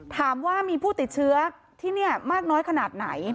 ถามว่ามีผู้ติดเชื้อที่นี่มากน้อยขนาดไหน